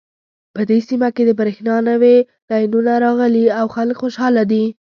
په دې سیمه کې د بریښنا نوې لینونه راغلي او خلک خوشحاله دي